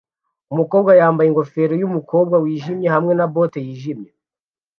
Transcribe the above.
Umukobwa yambaye ingofero yumukobwa wijimye hamwe na bote yijimye